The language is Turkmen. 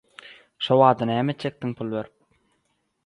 Şol bada "Nämetjekdiň, pul berip?